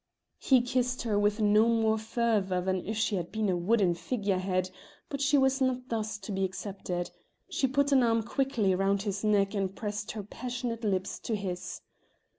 He kissed her with no more fervour than if she had been a wooden figurehead, but she was not thus to be accepted: she put an arm quickly round his neck and pressed her passionate lips to his.